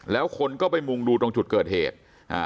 แล้วคนก็ไปมุงดูตรงจุดเกิดเหตุอ่า